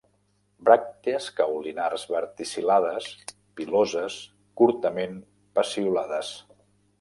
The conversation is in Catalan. Bràctees caulinars verticil·lades, piloses, curtament peciolades.